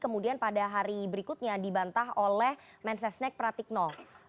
kemudian pada hari berikutnya dibantah oleh mensesnek pratikno